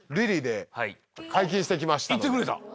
行ってくれたん？